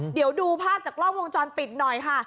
เดี๋ยวดูภาพจากกล้องวงจรปิดหน่อยค่ะ